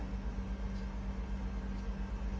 นั่งเห้ออยู่